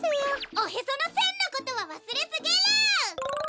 おへそのせんのことはわすれすぎる！